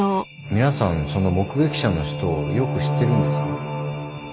皆さんその目撃者の人をよく知ってるんですか？